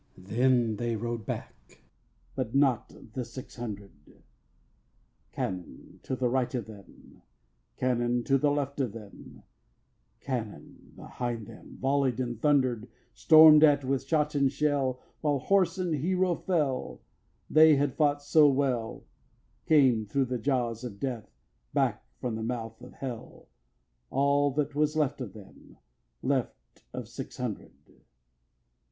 Then they rode back, but not Not the six hundred. 5. Cannon to right of them, Cannon to left of them, Cannon behind them Volley'd and thunder'd; Storm'd at with shot and shell, While horse and hero fell, They that had fought so well Came thro' the jaws of Death Back from the mouth of Hell, All that was left of them, Left of six hundred.